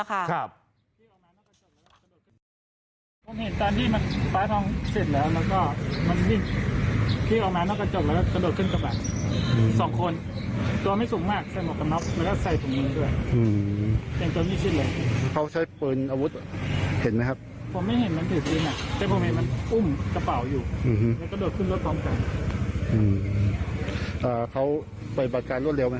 ไหวมากจิไม่เกิน๕นาที